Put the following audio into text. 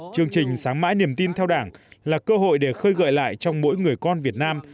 chương trình sáng mãi niềm tin theo đảng là cơ hội để khơi gợi lại trong mỗi người con việt nam